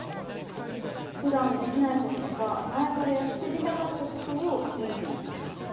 普段できないこととか前からやってみたかったことをやるといいんだって。